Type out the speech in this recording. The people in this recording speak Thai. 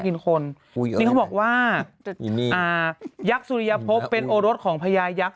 นี่เขาบอกว่ายักษ์สุริยภพเป็นโอรสของพญายักษ